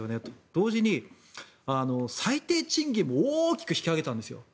同時に最低賃金も大きく引き上げたんですよ。